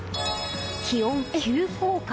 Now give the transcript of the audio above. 気温急降下。